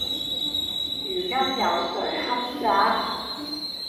如今有誰堪摘﹖